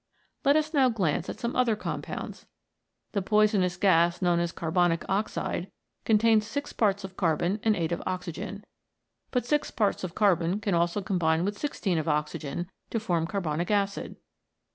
Let us now glance at some other compounds. The poisonous gas known as carbonic oxide, contains six parts of carbon and eight of oxygen ; but six parts of carbon also com bine with sixteen of oxygen to form carbonic acid.